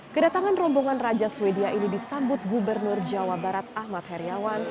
kedatangan rombongan raja swedia ini disambut gubernur jawa barat ahmad heriawan